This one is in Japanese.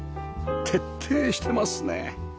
徹底してますね！